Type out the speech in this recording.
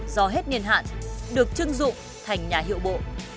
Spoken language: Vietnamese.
do hết niên hạn được chưng dụng thành nhà hiệu bộ